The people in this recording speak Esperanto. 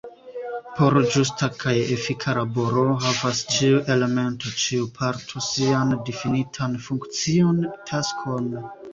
Por ĝusta kaj efika laboro havas ĉiu elemento, ĉiu parto, sian difinitan funkcion, taskon.